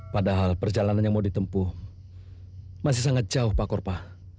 padahal perjalanan yang mau ditempuh masih sangat jauh pak korpa